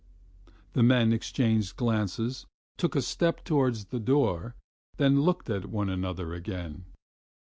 ... The men exchanged glances, took a step towards the door, then looked at one another again.